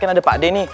kan ada pak d nih